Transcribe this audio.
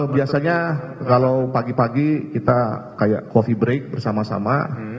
biasanya kalau pagi pagi kita kayak coffee break bersama sama